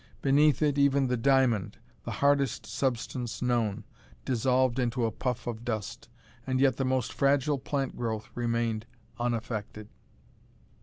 Beneath it, even the diamond, the hardest substance known, dissolved into a puff of dust; and yet the most fragile plant growth remained unaffected.